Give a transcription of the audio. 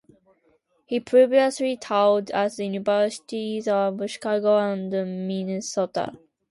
He previously taught at the Universities of Chicago and Minnesota.